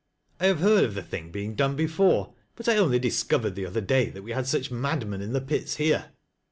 I have heard of the thing being done before, but I only discovered the other daj that we had such madmen in the pits here.